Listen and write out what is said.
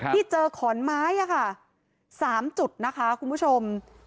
ที่เจอขอนไม้ค่ะ๓จุดนะคะคุณผู้ชม